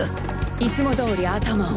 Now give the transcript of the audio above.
いつも通り頭を。